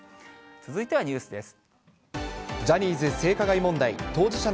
続いてはニュースです。